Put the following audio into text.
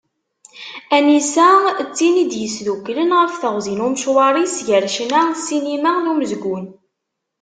Anisa, d tin i d-yesduklen ɣef teɣzi n umecwar-is gar ccna, ssinima d umezgun.